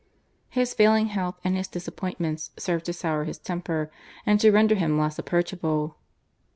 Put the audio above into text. His failing health and his disappointments served to sour his temper and to render him less approachable.